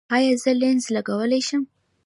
ایا زه لینز لګولی شم؟